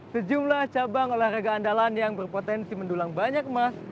sejumlah cabang olahraga andalan yang berpotensi mendulang banyak emas